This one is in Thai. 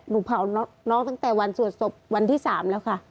หนูเผาน้องตั้งแต่วันสวดศพวันที่๓แล้วค่ะ